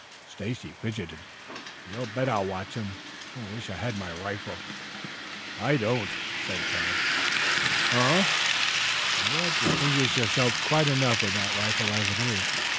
Stacy fidgeted. "You bet I'll watch 'em. Wish I had my rifle." "I don't." "Huh!" "You have distinguished yourself quite enough with that rifle as it is.